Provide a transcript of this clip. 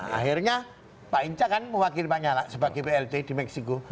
akhirnya pak hinca kan mewakili pak nyala sebagai plt di meksiko